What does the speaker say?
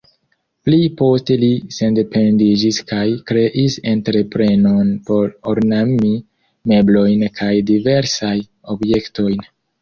Pli poste li sendependiĝis kaj kreis entreprenon por ornami meblojn kaj diversajn objektojn.